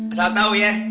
asal tau ya